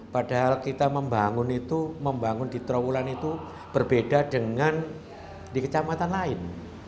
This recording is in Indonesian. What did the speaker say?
padahal kita membangun itu membangun di trawulan itu berbeda dengan di kecamatan lain